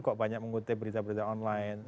kok banyak mengutip berita berita online